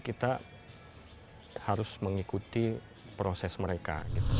kita harus mengikuti proses mereka